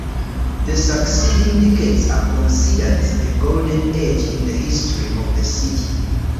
The succeeding decades are considered the golden age in the history of the city.